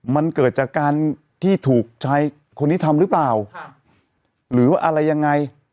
มันเกิดจากการที่ถูกชายคนนี้ทำหรือเปล่าหรือว่าอะไรยังไง